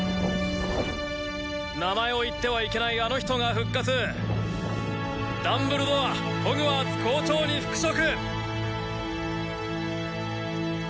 「名前を言ってはいけないあの人が復活」「ダンブルドアホグワーツ校長に復職」